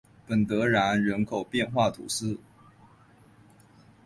本德然人口变化图示